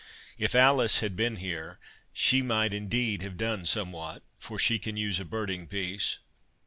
If Alice had been here she might indeed have done somewhat, for she can use a birding piece."